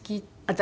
私？